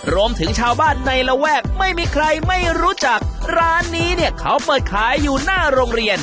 รวมถึงชาวบ้านในระแวกไม่มีใครไม่รู้จักร้านนี้เนี่ยเขาเปิดขายอยู่หน้าโรงเรียน